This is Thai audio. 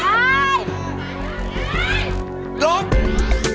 โปรดติดตามตอนต่อไป